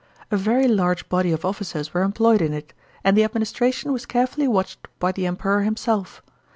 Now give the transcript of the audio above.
A very large body of officers were employed in it, and the administra tion was carefully watched by the Emperor himself.